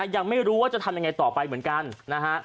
ยังไม่รู้ว่าจะทำยังไงต่อไปเหมือนกันนะฮะ